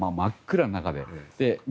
真っ暗の中で。